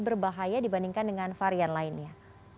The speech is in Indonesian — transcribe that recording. berbahaya dibandingkan dengan varian lainnya